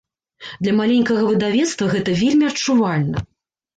Для маленькага выдавецтва гэта вельмі адчувальна.